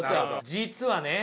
実はね